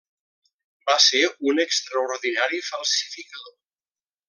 Va ser un extraordinari falsificador.